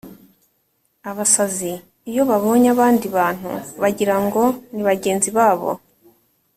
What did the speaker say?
Abasazi iyo babonye abandi bantu bagirango ni bagenzi babo